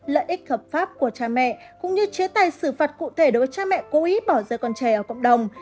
lợi ích hợp pháp của cha mẹ cũng như chế tài xử phạt cụ thể đối với cha mẹ cũ bỏ rơi con trẻ ở cộng đồng